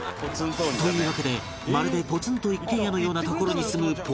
というわけでまるで『ポツンと一軒家』のような所に住むポツンと鬼